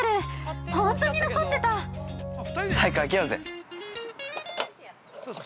早く開けようぜ。